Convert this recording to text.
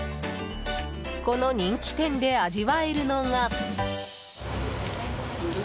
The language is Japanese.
この人気店で味わえるのが。